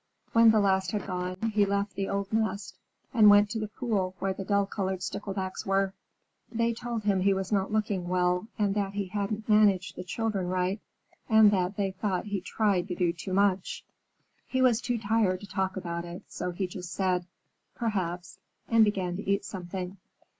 When the last had gone, he left the old nest and went to the pool where the dull colored Sticklebacks were. They told him he was not looking well, and that he hadn't managed the children right, and that they thought he tried to do too much. He was too tired to talk about it, so he just said, "Perhaps," and began to eat something.